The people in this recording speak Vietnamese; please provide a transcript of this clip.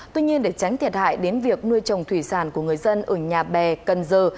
tuy nhiên để tránh thiệt hại đến việc nuôi trồng thủy sản của người dân ở nhà bè cần giờ